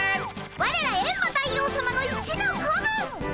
ワレらエンマ大王さまの一の子分！